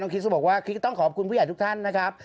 คริสก็บอกว่าคริสต้องขอบคุณผู้ใหญ่ทุกท่านนะครับ